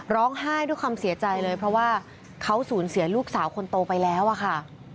ร้องไห้ด้วยความเสียใจเลยเพราะว่าเขาสูญเสียลูกสาวคนโตไปแล้วอะค่ะ